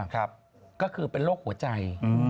ก็คือเป็นโรคหัวใจ